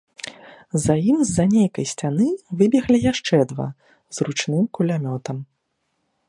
За ім з-за нейкай сцяны выбеглі яшчэ два, з ручным кулямётам.